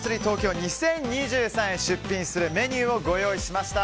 ２０２３に出品するメニューをご用意しました。